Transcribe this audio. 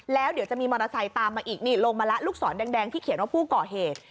แล้วเดี๋ยวจะมีมอเตอร์ไซค์ตามมาอีกนี่ลงมาแล้วลูกศรแดงที่เขียนว่าผู้ก่อเหตุ